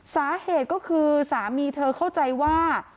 สาเหตุก็คือสามีเธอเข้าใจว่า